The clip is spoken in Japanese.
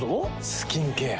スキンケア。